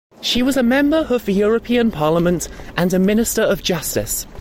She was a member of the European Parliament and a Minister of Justice.